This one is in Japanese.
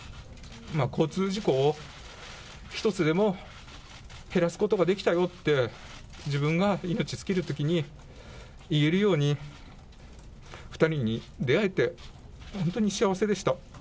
交通事故を一つでも減らすことができたよって、自分が命尽きるときに言えるように、２人に出会えて、本当に幸せでした。